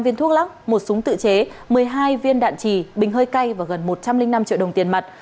hai viên thuốc lắc một súng tự chế một mươi hai viên đạn trì bình hơi cay và gần một trăm linh năm triệu đồng tiền mặt